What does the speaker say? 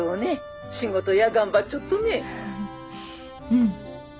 うん。